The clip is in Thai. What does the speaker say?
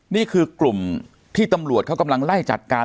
นี่คือกลุ่มที่ตำรวจเขากำลังไล่จัดการ